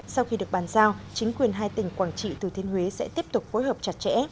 sau khi được bàn giao chính quyền hai tỉnh quảng trị thừa thiên huế sẽ tiếp tục phối hợp chặt chẽ